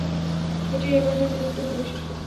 এটিই এই পাঠের একটি গুরুত্বপূর্ণ বৈশিষ্ট্য।